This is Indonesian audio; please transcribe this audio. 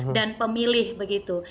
dan pemilih begitu itu